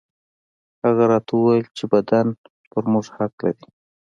هغه راته وويل چې بدن پر موږ حق لري.